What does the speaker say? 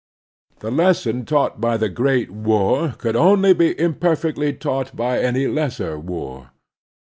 The lesson taught by the great war could only be imperfectly taught by any lesser war.